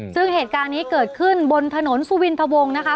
ซึ่งเหตุการณ์นี้เกิดขึ้นบนถนนสุวินทวงนะคะ